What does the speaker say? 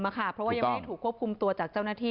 เพราะว่ายังไม่ได้ถูกควบคุมตัวจากเจ้าหน้าที่